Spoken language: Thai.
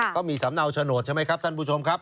เขามีสำเนาโฉนดใช่ไหมครับท่านผู้ชมครับ